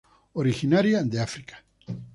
Originaria de África.